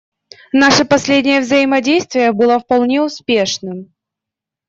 Наше последнее взаимодействие было вполне успешным.